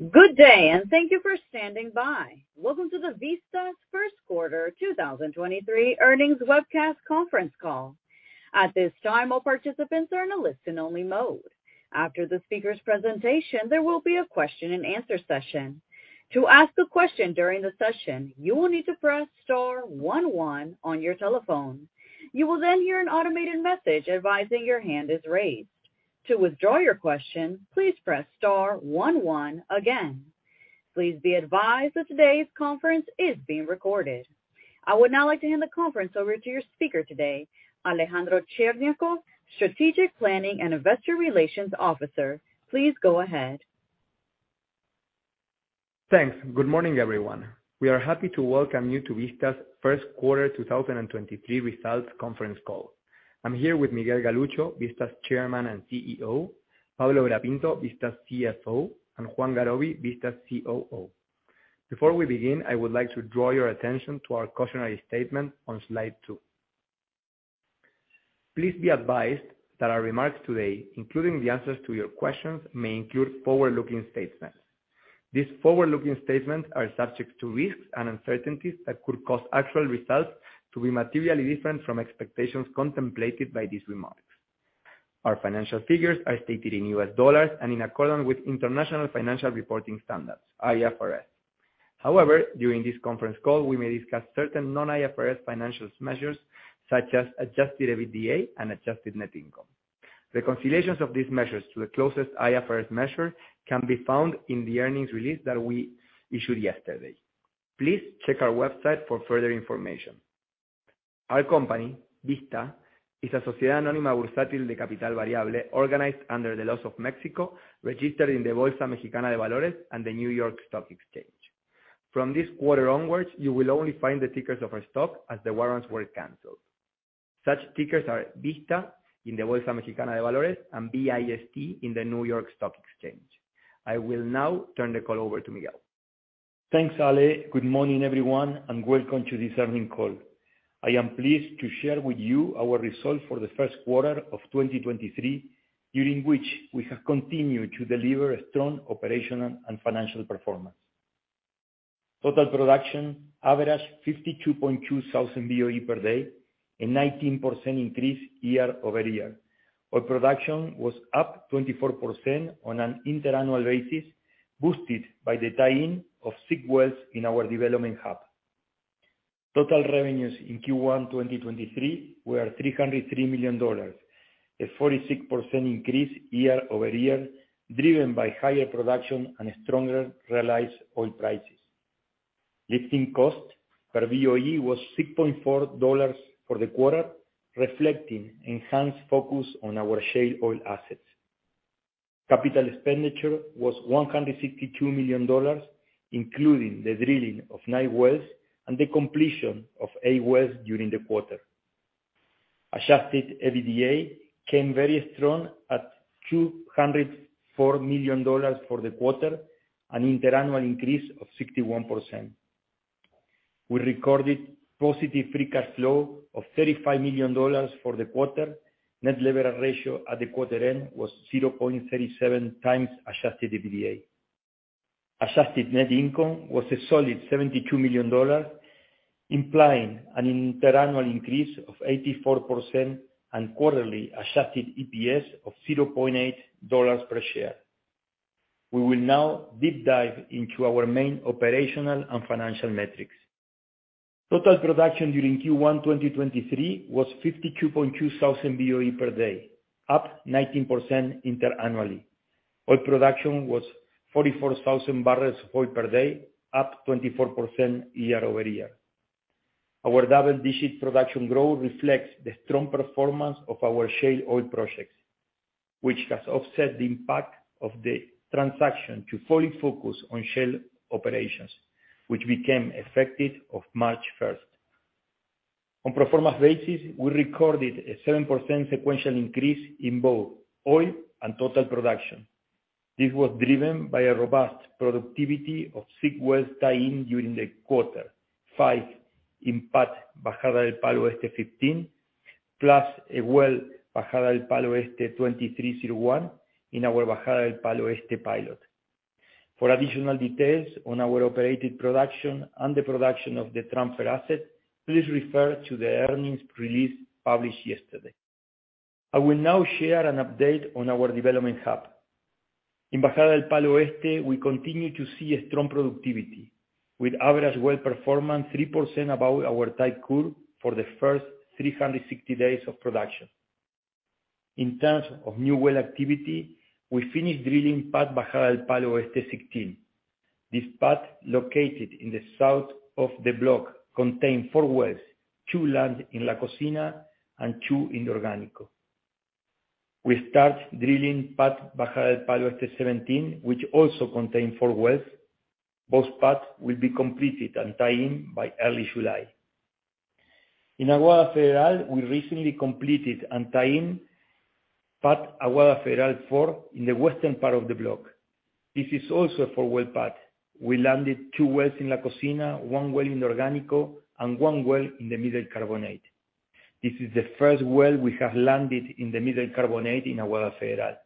Good day, and thank you for standing by. Welcome to the Vista's Q1 2023 earnings webcast conference call. At this time, all participants are in a listen only mode. After the speaker's presentation, there will be a question and answer session. To ask a question during the session, you will need to press star 11 on your telephone. You will then hear an automated message advising your hand is raised. To withdraw your question, please press star 11 again. Please be advised that today's conference is being recorded. I would now like to hand the conference over to your speaker today, Alejandro Cherñacov, Strategic Planning and Investor Relations Officer. Please go ahead. Thanks. Good morning, everyone. We are happy to welcome you to Vista's Q1 2023 results conference call. I'm here with Miguel Galuccio, Vista's Chairman and CEO, Pablo Vera Pinto, Vista's CFO, and Juan Garoby, Vista's COO. Before we begin, I would like to draw your attention to our cautionary statement on slide 2. Please be advised that our remarks today, including the answers to your questions, may include forward-looking statements. These forward-looking statements are subject to risks and uncertainties that could cause actual results to be materially different from expectations contemplated by these remarks. Our financial figures are stated in U.S. dollars and in accordance with International Financial Reporting Standards, IFRS. However, during this conference call, we may discuss certain non-IFRS financial measures such as Adjusted EBITDA and Adjusted Net Income. Reconciliations of these measures to the closest IFRS measure can be found in the earnings release that we issued yesterday. Please check our website for further information. Our company, Vista, is a sociedad anónima bursátil de capital variable organized under the laws of Mexico, registered in the Bolsa Mexicana de Valores and the New York Stock Exchange. From this quarter onwards, you will only find the tickers of our stock as the warrants were canceled. Such tickers are Vista in the Bolsa Mexicana de Valores and VIST in the New York Stock Exchange. I will now turn the call over to Miguel. Thanks, Ale. Good morning, everyone, welcome to this earnings call. I am pleased to share with you our results for the Q1 of 2023, during which we have continued to deliver a strong operational and financial performance. Total production averaged 52.2 thousand BOE per day, a 19% increase year-over-year. Oil production was up 24% on an inter-annual basis, boosted by the tie-in of 6 wells in our development hub. Total revenues in Q1 2023 were $303 million, a 46% increase year-over-year, driven by higher production and stronger realized oil prices. Lifting cost per BOE was $6.4 for the quarter, reflecting enhanced focus on our shale oil assets. Capital expenditure was $162 million, including the drilling of 9 wells and the completion of 8 wells during the quarter. Adjusted EBITDA came very strong at $204 million for the quarter, an inter-annual increase of 61%. We recorded positive free cash flow of $35 million for the quarter. Net leverage ratio at the quarter end was 0.37 times Adjusted EBITDA. Adjusted Net Income was a solid $72 million, implying an inter-annual increase of 84% and quarterly Adjusted EPS of $0.8 per share. We will now deep dive into our main operational and financial metrics. Total production during Q1 2023 was 52.2 thousand BOE per day, up 19% inter-annually. Oil production was 44,000 barrels of oil per day, up 24% year-over-year. Our double-digit production growth reflects the strong performance of our shale oil projects, which has offset the impact of the transaction to fully focus on shale operations, which became effective of March 1st. On performance basis, we recorded a 7% sequential increase in both oil and total production. This was driven by a robust productivity of six wells tie-in during the quarter. five in pad Bajada del Palo Este 15, plus a well Bajada del Palo Este 2301 in our Bajada del Palo Este pilot. For additional details on our operated production and the production of the transfer asset, please refer to the earnings release published yesterday. I will now share an update on our development hub. In Bajada del Palo Este, we continue to see a strong productivity, with average well performance 3% above our type curve for the 1st 360 days of production. In terms of new well activity, we finished drilling pad Bajada del Palo Este 16. This pad, located in the south of the block, contain Four wells, two land in La Cocina and two in Orgánico. We start drilling pad Bajada del Palo Este 17, which also contain 4 wells. Both pads will be completed and tie-in by early July. In Aguada Federal, we recently completed and tie-in pad Aguada Federal four in the western part of the block. This is also a four-well pad. We landed two wells in La Cocina, one well in Orgánico, and one well in the Middle Carbonate. This is the 1st well we have landed in the Middle Carbonate in Aguada Federal.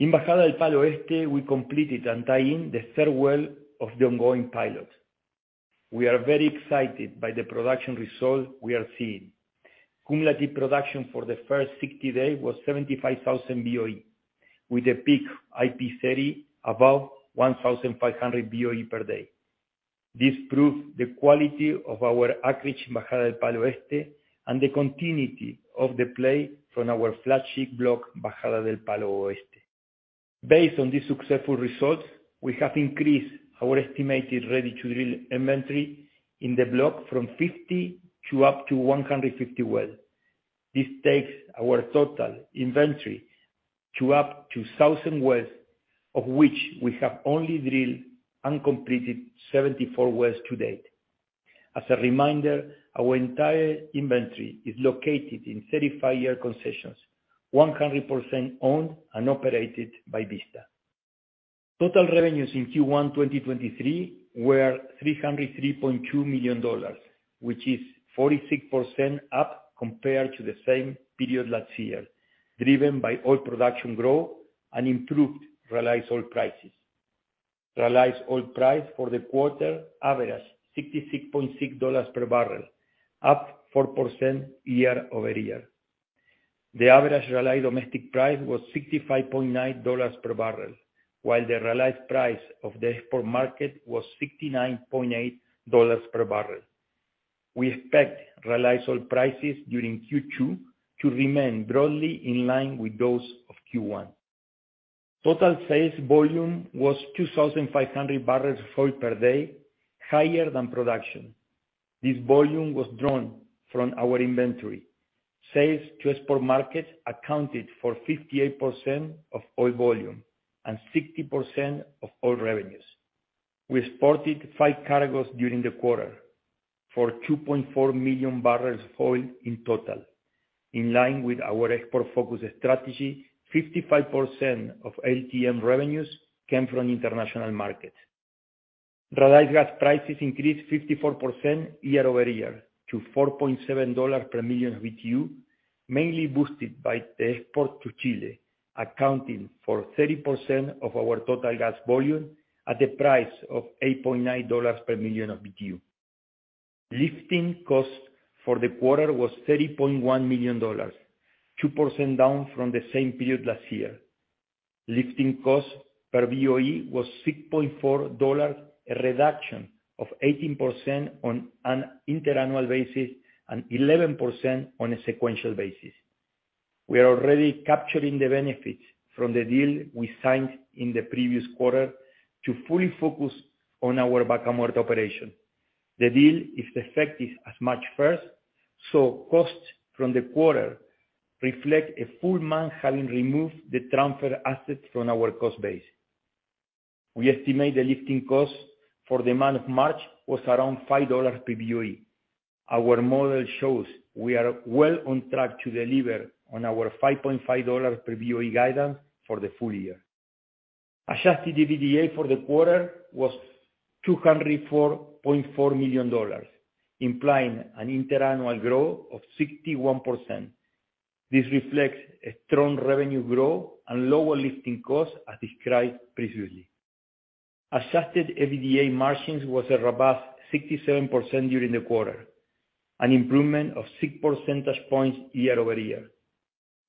In Bajada del Palo Este, we completed and tie-in the third well of the ongoing pilot. We are very excited by the production results we are seeing. Cumulative production for the first 60 days was 75,000 BOE, with a peak IP30 above 1,500 BOE per day. This proves the quality of our acreage in Bajada del Palo Este and the continuity of the play from our flagship block, Bajada del Palo Oeste. Based on these successful results, we have increased our estimated ready to drill inventory in the block from 50 to up to 150 wells. This takes our total inventory to up to 1,000 wells, of which we have only drilled and completed 74 wells to date. As a reminder, our entire inventory is located in certified year concessions, 100% owned and operated by Vista. Total revenues in Q1 2023 were $303.2 million, which is 46% up compared to the same period last year, driven by oil production growth and improved realized oil prices. Realized oil price for the quarter averaged $66.6 per barrel, up 4% year-over-year. The average realized domestic price was $65.9 per barrel, while the realized price of the export market was $69.8 per barrel. We expect realized oil prices during Q2 to remain broadly in line with those of Q1. Total sales volume was 2,500 barrels of oil per day, higher than production. This volume was drawn from our inventory. Sales to export markets accounted for 58% of oil volume and 60% of oil revenues. We exported five cargos during the quarter for 2.4 million barrels of oil in total. In line with our export-focused strategy, 55% of LTM revenues came from international markets. Realized gas prices increased 54% year-over-year to $4.7 per million BTU, mainly boosted by the export to Chile, accounting for 30% of our total gas volume at the price of $8.9 per million of BTU. Lifting costs for the quarter was $30.1 million, 2% down from the same period last year. Lifting costs per BOE was $6.4, a reduction of 18% on an inter-annual basis and 11% on a sequential basis. We are already capturing the benefits from the deal we signed in the previous quarter to fully focus on our Vaca Muerta operation. The deal is effective as March first, so costs from the quarter reflect a full month having removed the transferred assets from our cost base. We estimate the lifting cost for the month of March was around $5 per BOE. Our model shows we are well on track to deliver on our $5.5 per BOE guidance for the full year. Adjusted EBITDA for the quarter was $204.4 million, implying an inter-annual growth of 61%. This reflects a strong revenue growth and lower lifting costs as described previously. Adjusted EBITDA margins was a robust 67% during the quarter, an improvement of 6 percentage points year-over-year.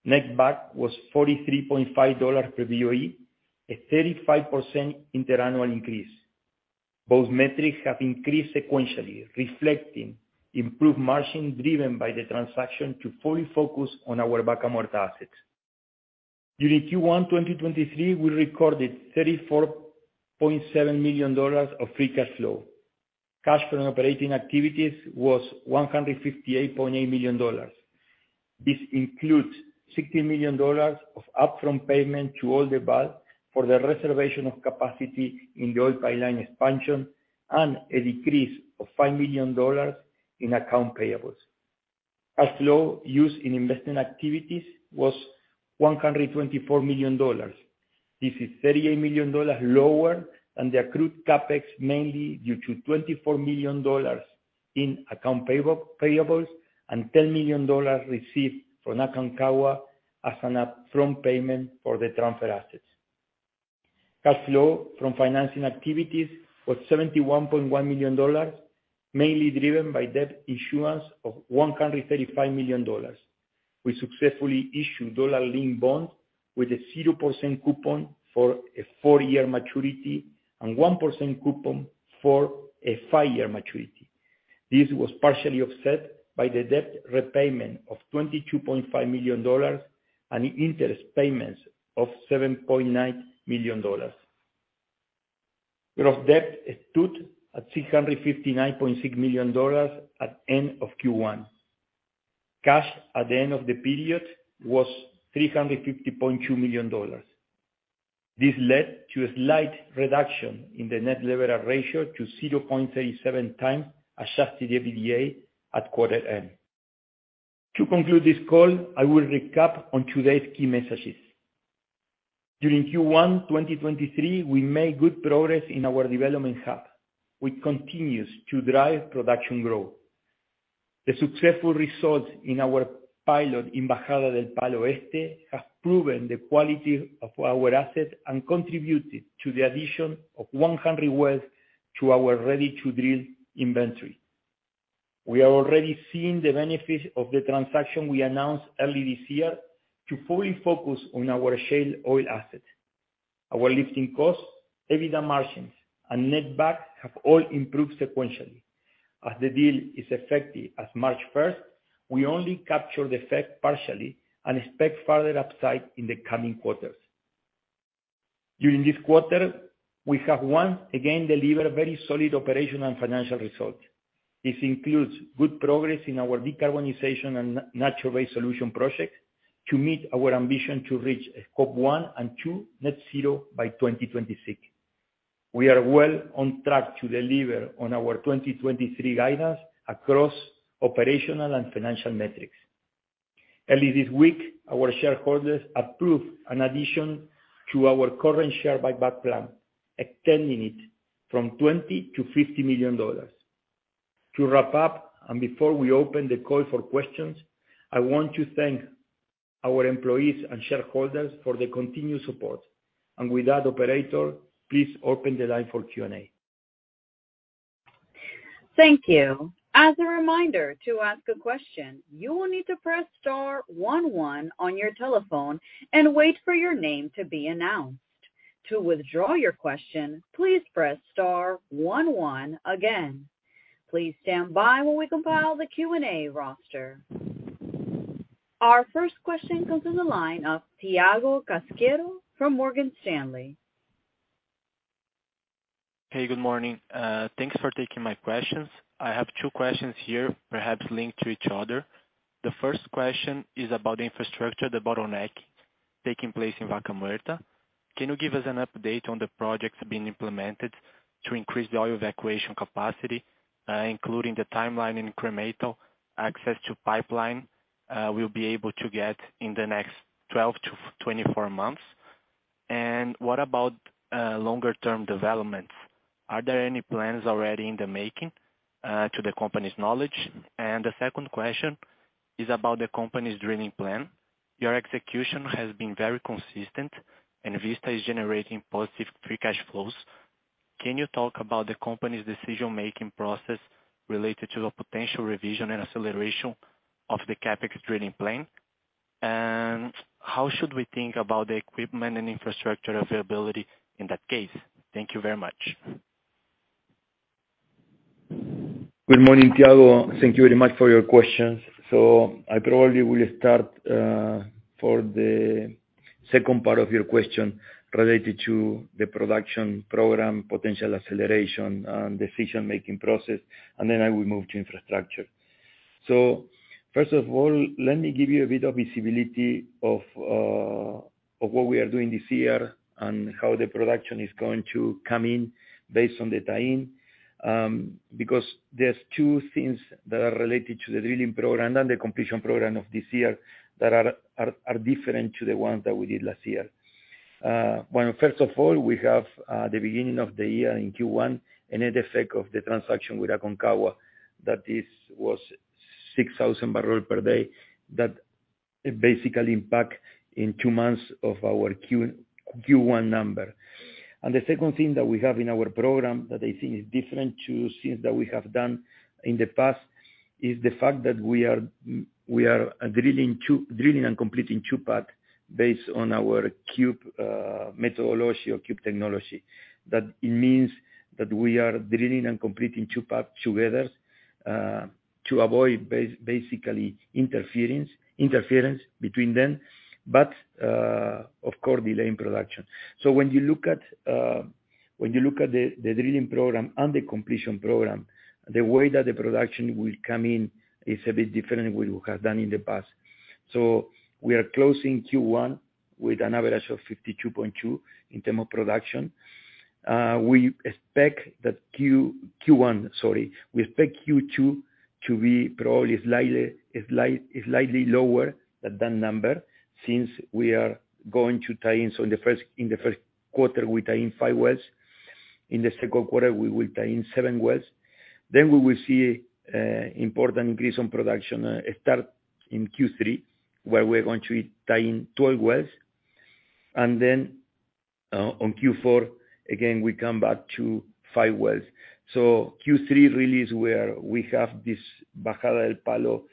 Netback was $43.5 per BOE, a 35% inter-annual increase. Both metrics have increased sequentially, reflecting improved margin driven by the transaction to fully focus on our Vaca Muerta assets. During Q1 2023, we recorded $34.7 million of free cash flow. Cash from operating activities was $158.8 million. This includes $60 million of upfront payment to Oldelval for the reservation of capacity in the oil pipeline expansion and a decrease of $5 million in account payables. Cash flow used in investment activities was $124 million. This is $38 million lower than the accrued CapEx, mainly due to $24 million in account payables and $10 million received from Aconcagua as an upfront payment for the transferred assets. Cash flow from financing activities was $71.1 million, mainly driven by debt issuance of $135 million. We successfully issued dollar-linked bonds with a 0% coupon for a 4-year maturity and 1% coupon for a 5-year maturity. This was partially offset by the debt repayment of $22.5 million and interest payments of $7.9 million. Gross debt stood at $659.6 million at end of Q1. Cash at the end of the period was $350.2 million. This led to a slight reduction in the net leverage ratio to 0.37x Adjusted EBITDA at quarter end. To conclude this call, I will recap on today's key messages. During Q1 2023, we made good progress in our development hub, which continues to drive production growth. The successful results in our pilot in Bajada del Palo Este have proven the quality of our assets and contributed to the addition of 100 wells to our ready-to-drill inventory. We are already seeing the benefits of the transaction we announced early this year to fully focus on our shale oil asset. Our lifting costs, EBITDA margins, and Netback have all improved sequentially. As the deal is effective as March first, we only capture the effect partially and expect further upside in the coming quarters. During this quarter, we have again, delivered very solid operational and financial results. This includes good progress in our decarbonization and Nature-Based Solutions project to meet our ambition to reach Scope one and two net zero by 2026. We are well on track to deliver on our 2023 guidance across operational and financial metrics. Early this week, our shareholders approved an addition to our current share buyback plan, extending it from $20 million-$50 million. To wrap up, and before we open the call for questions, I want to thank our employees and shareholders for their continued support. With that, operator, please open the line for Q&A. Thank you. As a reminder, to ask a question, you will need to press star 11 on your telephone and wait for your name to be announced. To withdraw your question, please press star 11 again. Please stand by while we compile the Q&A roster. Our first question comes in the line of Tiago Casemiro from Morgan Stanley. Hey, good morning. Thanks for taking my questions. I have two questions here, perhaps linked to each other. The first question is about infrastructure, the bottleneck taking place in Vaca Muerta. Can you give us an update on the projects being implemented to increase the oil evacuation capacity, including the timeline incremental access to pipeline, we'll be able to get in the next 12-24 months? What about longer term developments? Are there any plans already in the making, to the company's knowledge? The second question is about the company's drilling plan. Your execution has been very consistent and Vista is generating positive free cash flows. Can you talk about the company's decision-making process related to the potential revision and acceleration of the CapEx drilling plan? How should we think about the equipment and infrastructure availability in that case? Thank you very much. Good morning, Thiago. Thank you very much for your questions. I probably will start for the second part of your question related to the production program, potential acceleration, and decision-making process. I will move to infrastructure. First of all, let me give you a bit of visibility of what we are doing this year and how the production is going to come in based on the tie-in, because there's two things that are related to the drilling program and the completion program of this year that are different to the ones that we did last year. First of all, we have the beginning of the year in Q1, an effect of the transaction with Aconcagua that was 6,000 barrels per day, that basically impact in two months of our Q1 number. The second thing that we have in our program that I think is different to things that we have done in the past is the fact that we are drilling and completing two pad based on our cube methodology or cube technology. That it means that we are drilling and completing two pad together to avoid basically interference between them. Of course, delaying production. When you look at the drilling program and the completion program, the way that the production will come in is a bit different than we have done in the past. We are closing Q1 with an average of 52.2 in term of production. We expect that Q1, sorry. We expect Q2 to be probably slightly lower than that number since we are going to tie-in. In the Q1, we tie-in five wells. In the Q2, we will tie-in seven wells. We will see important increase on production start in Q3, where we're going to be tie-in 12 wells. On Q4, again, we come back to 5 wells. Q3 really is where we have this Bajada del Palo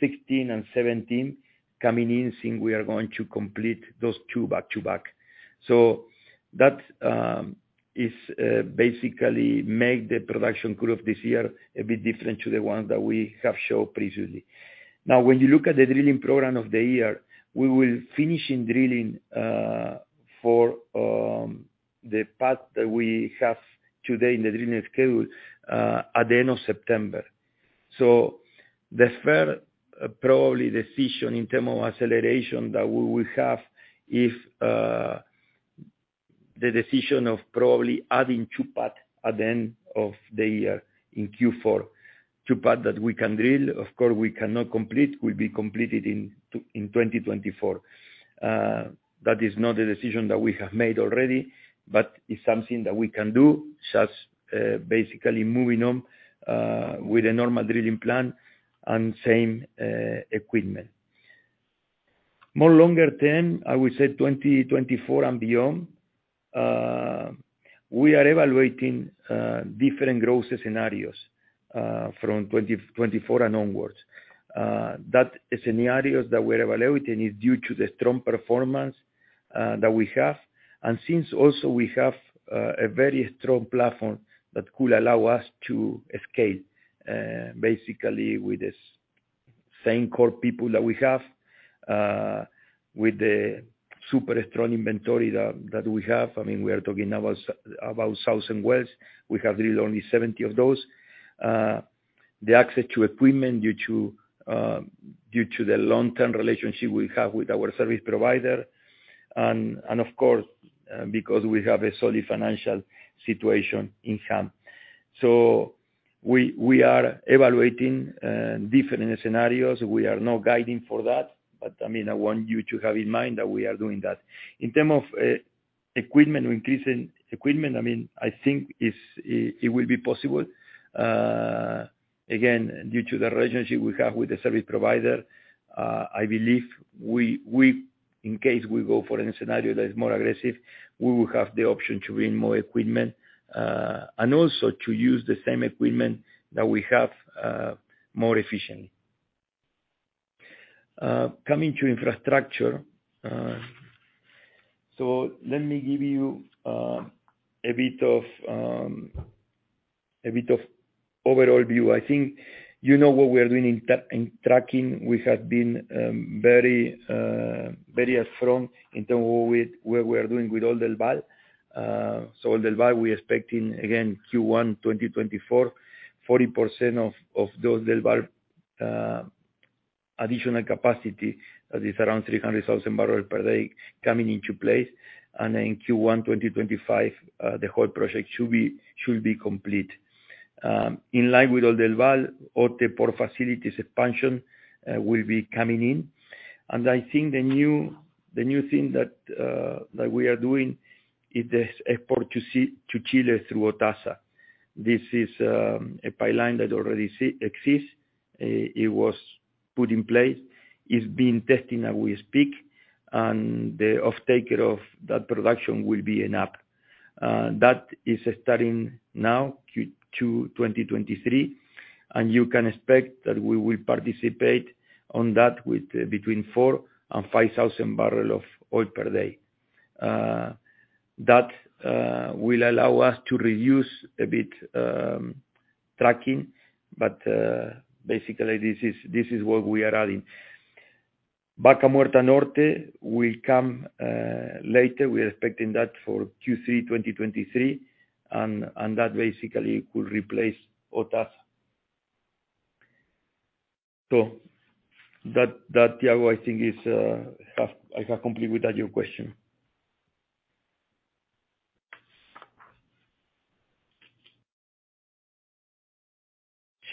16 and 17 coming in, seeing we are going to complete those two back to back. That is basically make the production curve this year a bit different to the one that we have showed previously. When you look at the drilling program of the year, we will finishing drilling for the part that we have today in the drilling schedule at the end of September. The first, probably decision in term of acceleration that we will have if the decision of probably adding two pad at the end of the year in Q4. two pad that we can drill, of course, we cannot complete, will be completed in 2024. That is not a decision that we have made already, but it's something that we can do, just basically moving on with a normal drilling plan and same equipment. More longer term, I would say 2024 and beyond, we are evaluating different growth scenarios from 2024 and onwards. That is scenarios that we're evaluating is due to the strong performance that we have. Since also we have a very strong platform that could allow us to scale basically with the same core people that we have, with the super strong inventory that we have. I mean, we are talking about 1,000 wells. We have drilled only 70 of those. The access to equipment due to the long-term relationship we have with our service provider. And of course, because we have a solid financial situation in hand. We are evaluating different scenarios. We are not guiding for that. I mean, I want you to have in mind that we are doing that. In term of equipment, increasing equipment, I mean, I think it will be possible. Again, due to the relationship we have with the service provider, I believe we, in case we go for any scenario that is more aggressive, we will have the option to bring more equipment, and also to use the same equipment that we have more efficiently. Coming to infrastructure. Let me give you a bit of a bit of overall view. I think you know what we are doing in trucking. We have been very strong in terms of with where we are doing with Oldelval. Oldelval, we're expecting, again, Q1 2024, 40% of those Oldelval additional capacity. That is around 300,000 barrels per day coming into place. In Q1 2025, the whole project should be complete. In line with Oldelval, Otasa facilities expansion will be coming in. I think the new thing that we are doing is this export to Chile through Otasa. This is a pipeline that already exists. It was put in place. It's being tested as we speak, and the off taker of that production will be ENAP. That is starting now, Q2 2023, and you can expect that we will participate on that with between 4,000 and 5,000 barrel of oil per day. That will allow us to reduce a bit trucking, but basically this is what we are adding. Vaca Muerta Norte will come later. We're expecting that for Q3 2023, and that basically could replace Otasa. That, Thiago, I think is, I have completed your question.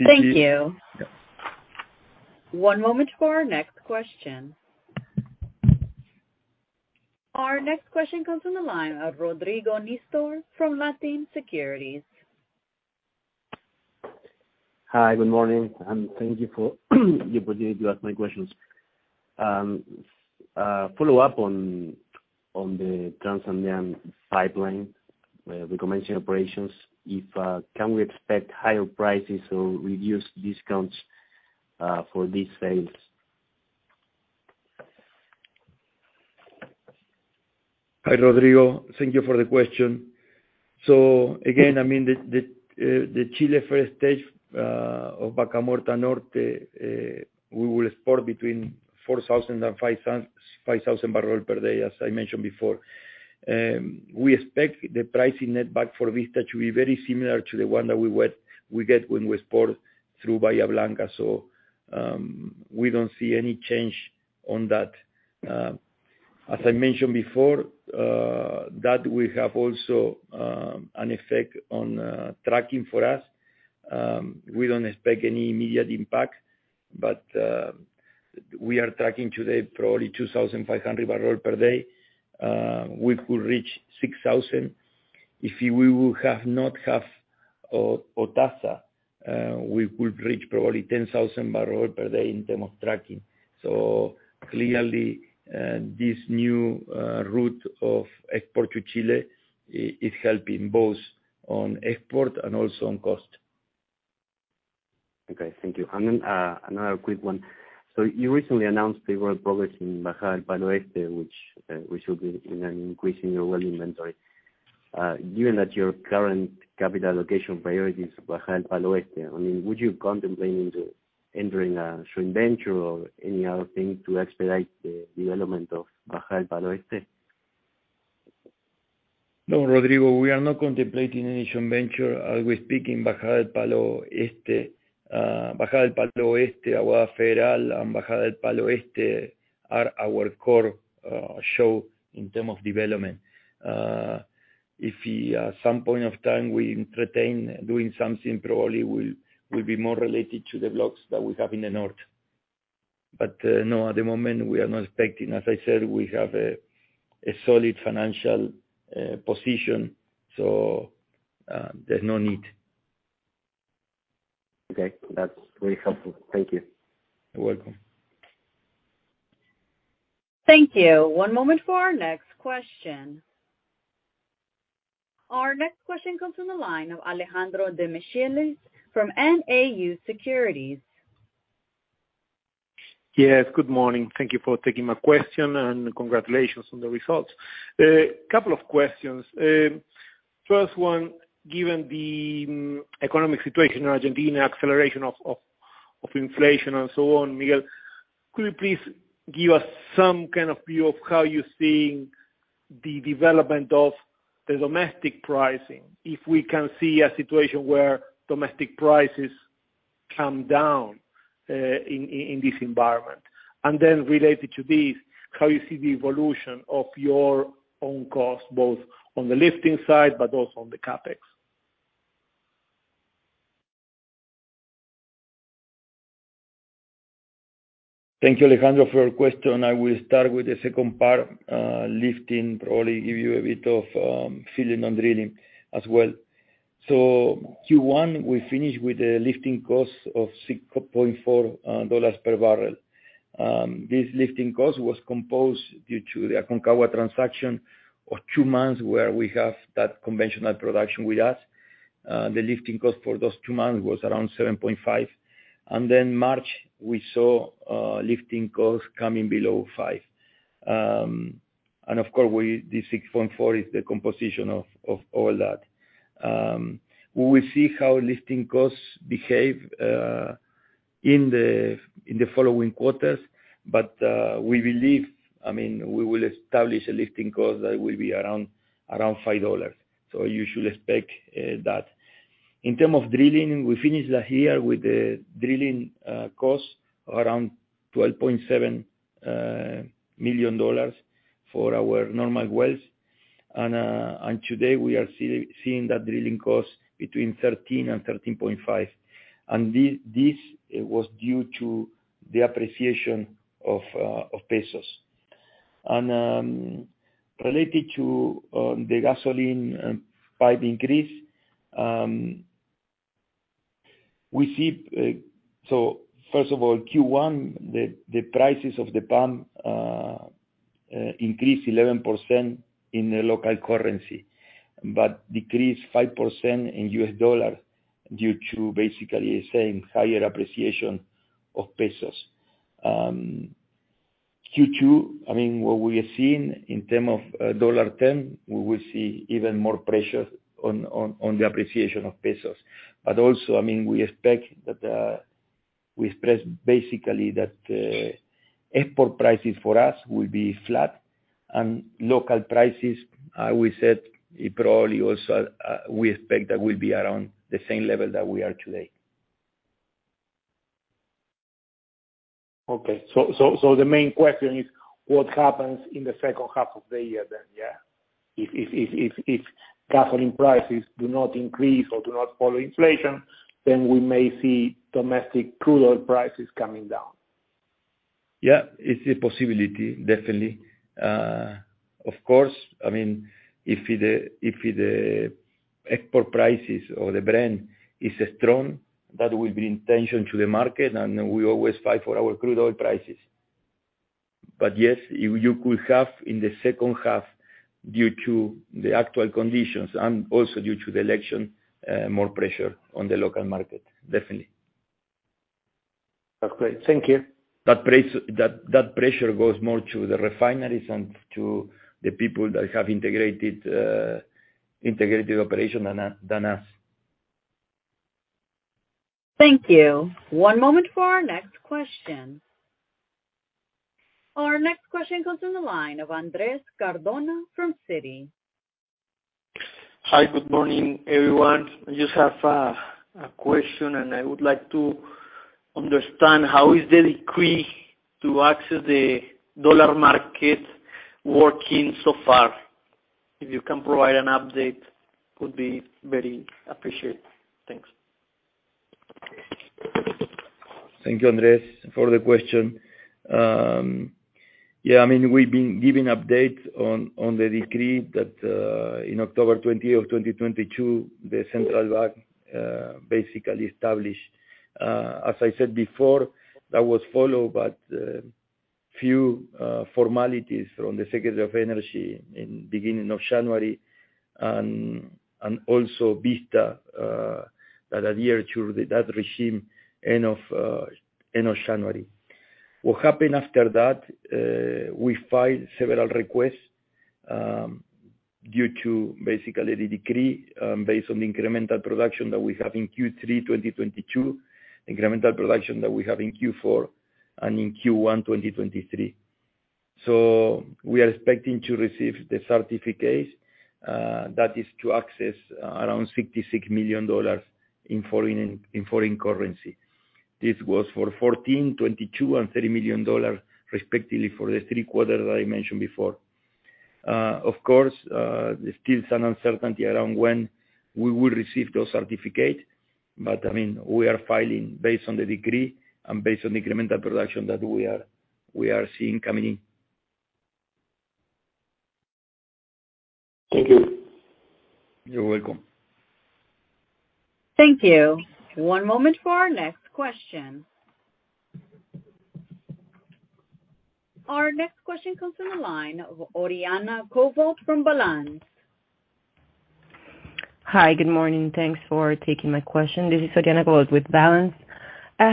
Thank you. Yeah. One moment for our next question. Our next question comes from the line of Rodrigo Nistor from Latin Securities. Hi, good morning, and thank you for the opportunity to ask my questions. Follow up on the Transandean pipeline, we mentioned operations. If, can we expect higher prices or reduced discounts for these sales? Hi, Rodrigo. Thank you for the question. Again, the Chile first stage of Vaca Muerta Norte, we will export between 4,000 and 5,000 barrel per day, as I mentioned before. We expect the pricing Netback for this to be very similar to the one that we get when we export through Bahía Blanca. We don't see any change on that. As I mentioned before, that will have also an effect on trucking for us. We don't expect any immediate impact, but we are trucking today probably 2,500 barrel per day. We could reach 6,000. If we would have not have Otasa, we would reach probably 10,000 barrel per day in term of trucking. Clearly, this new route of export to Chile is helping both on export and also on cost. Thank you. Another quick one. You recently announced the well progress in Bajada del Palo Este, which will be an increase in your well inventory. Given that your current capital allocation priority is Bajada del Palo Este, I mean, would you contemplate into entering a joint venture or any other thing to expedite the development of Bajada del Palo Este? No, Rodrigo Nistor, we are not contemplating any joint venture. As we speak in Bajada del Palo Este, Aguada Federal, and Bajada del Palo Este are our core shale in term of development. If we, at some point of time we entertain doing something, probably will be more related to the blocks that we have in the North. No, at the moment we are not expecting. As I said, we have a solid financial position, so there's no need. Okay. That's very helpful. Thank you. You're welcome. Thank you. One moment for our next question. Our next question comes from the line of Alejandro Demichelis from Bradesco BBI. Yes, good morning. Thank you for taking my question, and congratulations on the results. Couple of questions. First one, given the economic situation in Argentina, acceleration of inflation and so on, Miguel, could you please give us some kind of view of how you're seeing the development of the domestic pricing, if we can see a situation where domestic prices come down in this environment? Related to this, how you see the evolution of your own costs, both on the lifting side but also on the CapEx. Thank you, Alejandro, for your question. I will start with the second part, lifting, probably give you a bit of filling and drilling as well. Q1, we finished with a lifting cost of $6.4 per barrel. This lifting cost was composed due to the Aconcagua transaction of two months where we have that conventional production with us. The lifting cost for those two months was around $7.5. March, we saw lifting costs coming below $5. Of course, this 6.4 is the composition of all that. We will see how lifting costs behave in the following quarters, we believe, I mean, we will establish a lifting cost that will be around $5. You should expect that. In term of drilling, we finished last year with the drilling costs around $12.7 million for our normal wells. Today we are seeing that drilling cost between $13 and $13.5. This was due to the appreciation of pesos. Related to the gasoline price increase, we see... First of all, Q1, the prices of the pump increased 11% in the local currency, but decreased 5% in US dollar due to basically the same higher appreciation of pesos. Q2, I mean, what we are seeing in term of dollar term, we will see even more pressure on the appreciation of pesos. Also, I mean, we expect that, we express basically that, export prices for us will be flat and local prices, we said it probably also, we expect that will be around the same level that we are today. The main question is what happens in the second half of the year then, yeah? If gasoline prices do not increase or do not follow inflation, then we may see domestic crude oil prices coming down. Yeah, it's a possibility, definitely. Of course. I mean, if the export prices or the brand is strong, that will bring tension to the market, and we always fight for our crude oil prices. Yes, you could have in the second half, due to the actual conditions and also due to the election, more pressure on the local market, definitely. That's great. Thank you. That price, that pressure goes more to the refineries and to the people that have integrated integrated operation than us. Thank you. One moment for our next question. Our next question comes from the line of Andres Cardona from Citi. Hi. Good morning, everyone. I just have a question, and I would like to understand how is the decree to access the dollar market working so far? If you can provide an update, could be very appreciated. Thanks. Thank you, Andres, for the question. I mean, we've been giving updates on the decree that in October 20 of 2022, the central bank basically established. As I said before, that was followed by few formalities from the Secretary of Energy in beginning of January and also Vista that adhere to that regime end of January. What happened after that, we filed several requests due to basically the decree based on the incremental production that we have in Q3 2022, incremental production that we have in Q4 and in Q1 2023. We are expecting to receive the certificates that is to access around $66 million in foreign currency. This was for $14 million, $22 million, and $30 million respectively for the Q3 that I mentioned before. Of course, there's still some uncertainty around when we will receive those certificates, but I mean, we are filing based on the decree and based on the incremental production that we are seeing coming in. Thank you. You're welcome. Thank you. One moment for our next question. Our next question comes from the line of Oriana Covault from Balanz Capital. Hi, good morning. Thanks for taking my question. This is Oriana Covault with Balanz Capital. I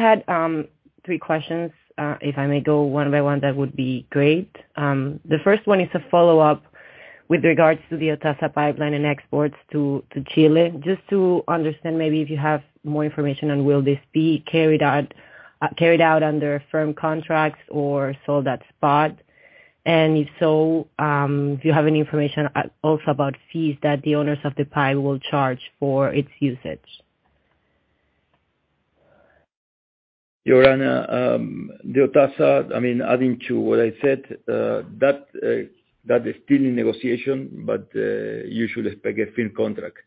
had three questions. If I may go one by one, that would be great. The first one is a follow-up with regards to the Otasa pipeline and exports to Chile. Just to understand maybe if you have more information on will this be carried out under firm contracts or sold at spot? If so, do you have any information also about fees that the owners of the pipe will charge for its usage? Oriana, the Otasa, I mean, adding to what I said, that is still in negotiation, but, you should expect a firm contract.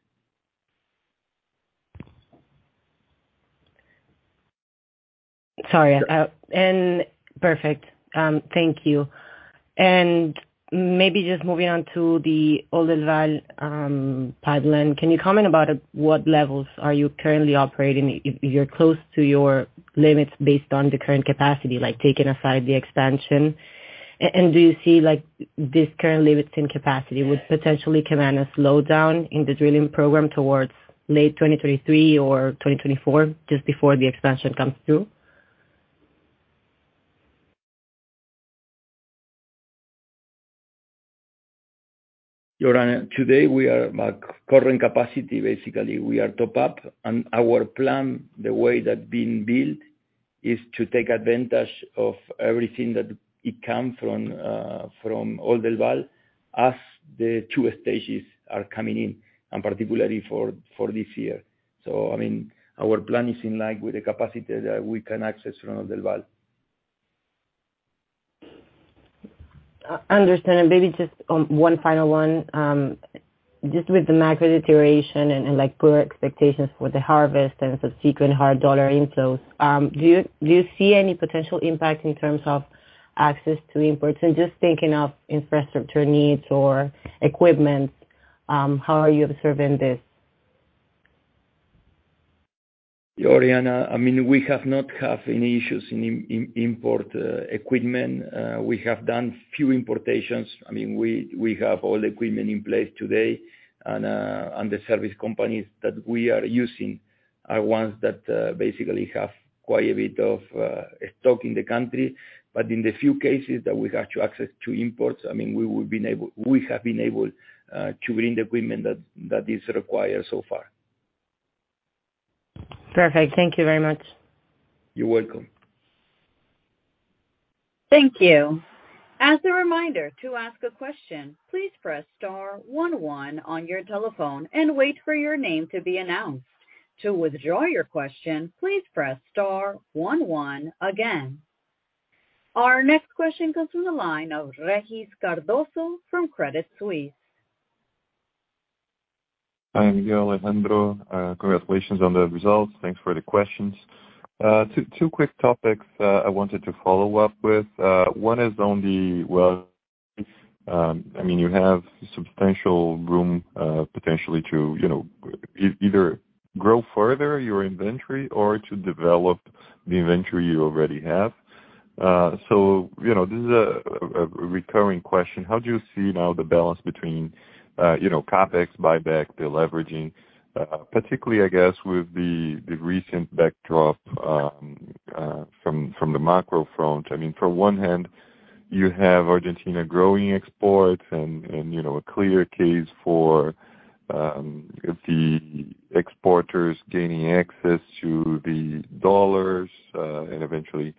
Perfect. Thank you. Maybe just moving on to the Oldelval pipeline. Can you comment about at what levels are you currently operating, if you're close to your limits based on the current capacity, like taking aside the expansion? Do you see like this current limited capacity would potentially command a slowdown in the drilling program towards late 2023 or 2024, just before the expansion comes through? Oriana, today we are like current capacity, basically we are top up. Our plan, the way that been built is to take advantage of everything that it comes from Oldelval as the two stages are coming in, and particularly for this year. I mean, our plan is in line with the capacity that we can access from Oldelval. Understand. Maybe just one final one. Just with the macro deterioration and like poor expectations for the harvest and subsequent hard dollar inflows, do you see any potential impact in terms of access to imports? Just thinking of infrastructure needs or equipment, how are you observing this? Oriana, I mean, we have not had any issues in import equipment. We have done few importations. I mean, we have all the equipment in place today. The service companies that we are using are ones that basically have quite a bit of stock in the country. In the few cases that we've had to access to imports, I mean, we have been able to bring the equipment that is required so far. Perfect. Thank you very much. You're welcome. Thank you. As a reminder, to ask a question, please press star 11 on your telephone and wait for your name to be announced. To withdraw your question, please press star 11 again. Our next question comes from the line of Regis Cardoso from Credit Suisse. Hi, Miguel, Alejandro. Congratulations on the results. Thanks for the questions. Two quick topics I wanted to follow up with. One is on the well, I mean, you have substantial room potentially to, you know, either grow further your inventory or to develop the inventory you already have. You know, this is a recurring question. How do you see now the balance between, you know, CapEx, buyback, deleveraging, particularly I guess with the recent backdrop from the macro front? I mean, from one hand you have Argentina growing exports and, you know, a clear case for the exporters gaining access to the dollars and eventually,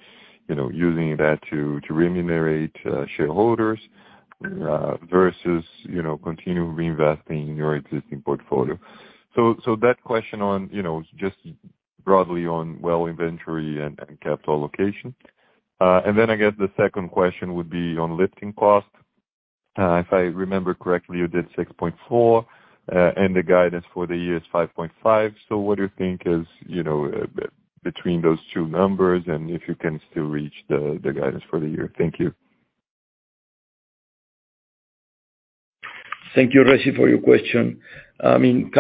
you know, using that to remunerate shareholders versus, you know, continue reinvesting in your existing portfolio. That question on, you know, just broadly on, well, inventory and capital location. I guess the second question would be on lifting costs. If I remember correctly, you did $6.4, and the guidance for the year is $5.5. What do you think is, you know, between those two numbers and if you can still reach the guidance for the year? Thank you. Thank you, Reggie, for your question. I mean,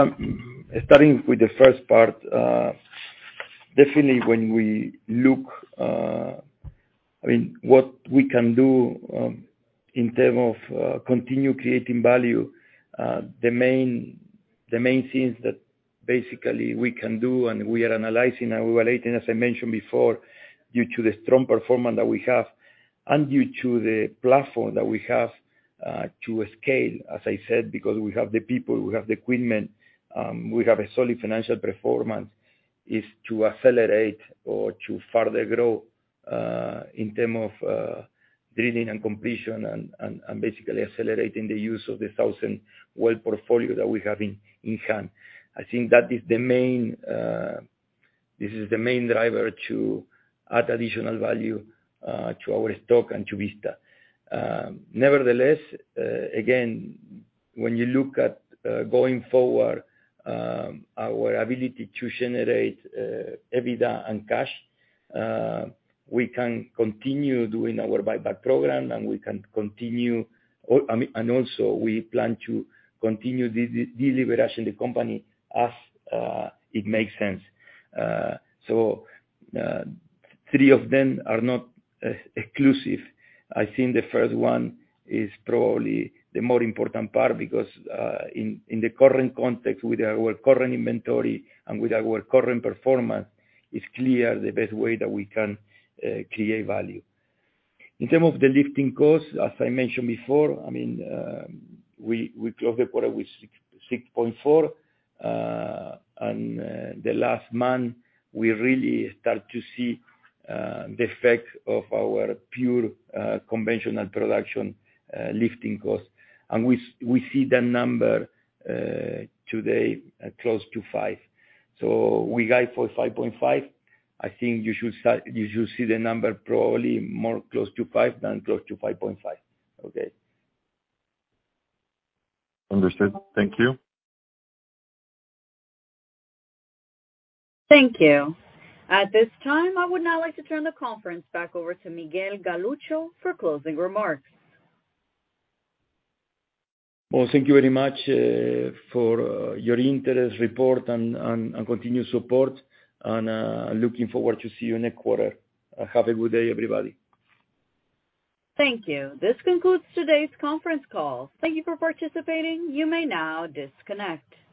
Starting with the first part, definitely when we look, I mean, what we can do, in term of, continue creating value, the main things that basically we can do, and we are analyzing and evaluating, as I mentioned before, due to the strong performance that we have and due to the platform that we have To scale, as I said, because we have the people, we have the equipment, we have a solid financial performance, is to accelerate or to further grow, in term of, drilling and completion and basically accelerating the use of the 1,000 well portfolio that we have in hand. I think that is the main, this is the main driver to add additional value, to our stock and to Vista. Nevertheless, again, when you look at going forward, our ability to generate Adjusted EBITDA and cash, we can continue doing our buyback program. We can continue... I mean, also we plan to continue deleveraging the company as it makes sense. Three of them are not exclusive. I think the first one is probably the more important part because in the current context with our current inventory and with our current performance, it's clear the best way that we can create value. In term of the lifting costs, as I mentioned before, I mean, we closed the quarter with $6.64. The last month, we really start to see the effect of our pure conventional production lifting costs. We see that number today at close to five. We guide for 5.5. I think you should see the number probably more close to five than close to 5.5. Okay. Understood. Thank you. Thank you. At this time, I would now like to turn the conference back over to Miguel Galuccio for closing remarks. Well, thank you very much for your interest, report, and continued support. Looking forward to see you next quarter. Have a good day, everybody. Thank you. This concludes today's conference call. Thank you for participating. You may now disconnect.